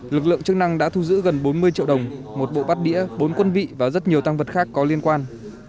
lực lượng chức năng đã thu giữ gần bốn mươi triệu đồng một bộ bắt đĩa bốn quân vị và rất nhiều tăng vật khác có liên quan